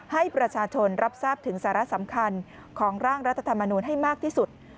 ให้ประชาชนรับทราบถึงสาระสำคัญของร่างรัฐธรรมนูลให้มากที่สุด